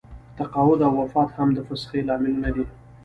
تقاعد او وفات هم د فسخې لاملونه دي.